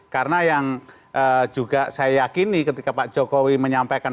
karena yang juga saya yakini ketika pak jokowi menyampaikan